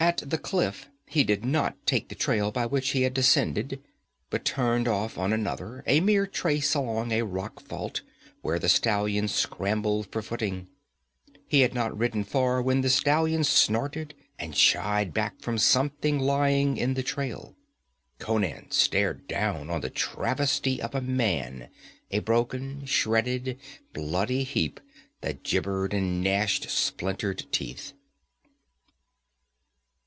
At the cliff he did not take the trail by which he had descended, but turned off on another, a mere trace along a rock fault, where the stallion scrambled for footing. He had not ridden far when the stallion snorted and shied back from something lying in the trail. Conan stared down on the travesty of a man, a broken, shredded, bloody heap that gibbered and gnashed splintered teeth.